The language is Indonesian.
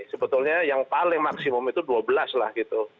sebetulnya yang paling maksimum itu dua belas lah gitu